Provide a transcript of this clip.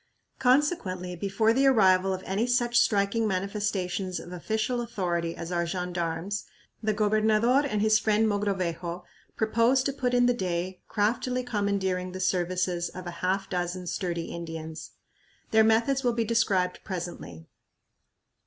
Consequently, before the arrival of any such striking manifestations of official authority as our gendarmes, the gobernador and his friend Mogrovejo proposed to put in the day craftily commandeering the services of a half dozen sturdy Indians. Their methods will be described presently.